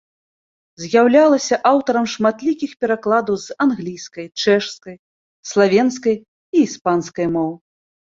З'яўлялася аўтарам шматлікіх перакладаў з англійскай, чэшскай, славенскай і іспанскай моў.